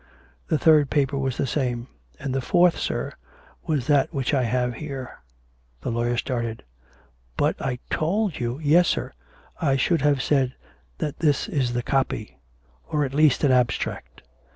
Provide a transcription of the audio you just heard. The third paper was the same; and the fourth, sir, was that which I have here." The lawyer started. " But I told you "" Yes, sir ; I should have said that this is the copy — or, at least, an abstract.